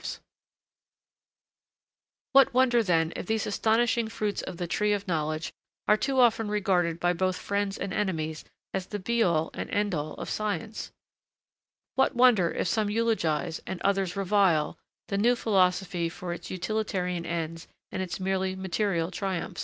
[Sidenote: These results often too much regarded;] What wonder, then, if these astonishing fruits of the tree of knowledge are too often regarded by both friends and enemies as the be all and end all of science? What wonder if some eulogise, and others revile, the new philosophy for its utilitarian ends and its merely material triumphs?